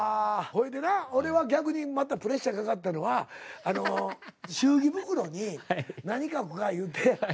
ほいでな俺は逆にまたプレッシャーかかったのはあの祝儀袋に何書くかいうて。